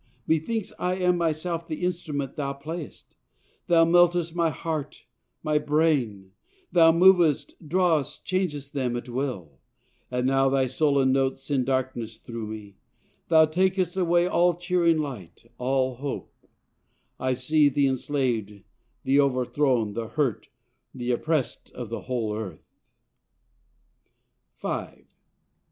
methinks I am myself the instrument thou playest! Thou melt'st my heart, my brain thou movest, drawest, changest them, at will: And now thy sullen notes send darkness through me; Thou takest away all cheering light all hope: I see the enslaved, the overthrown, the hurt, the opprest of the whole earth;" [V.